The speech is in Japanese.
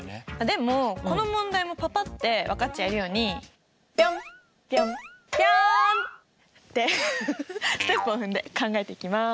でもこの問題もパパって分かっちゃえるようにってステップを踏んで考えていきます。